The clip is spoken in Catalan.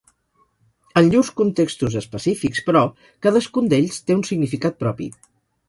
En llurs contextos específics, però, cadascun d'ells té un significat propi.